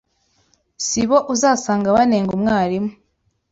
si bo uzasanga banenga umwarimu